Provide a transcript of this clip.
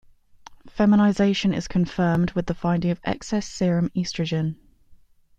Feminization is confirmed with the finding of excess serum estrogen.